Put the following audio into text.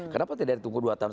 kenapa tidak ditunggu dua tahun